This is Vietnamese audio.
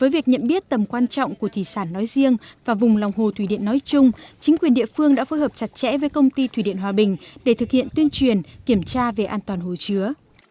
với việc nhận biết tầm quan trọng của thủy sản nói riêng và vùng lòng hồ thủy điện nói chung chính quyền địa phương đã phối hợp chặt chẽ với công ty thủy điện hòa bình để thực hiện tuyên truyền kiểm tra về an toàn hồ chứa